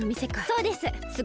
そうです！